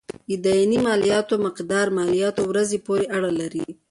اداينې مالياتو مقدار مالياتو ورځې پورې اړه لري.